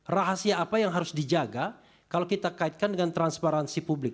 rahasia apa yang harus dijaga kalau kita kaitkan dengan transparansi publik